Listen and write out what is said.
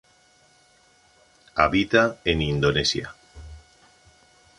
Habita en Indonesia.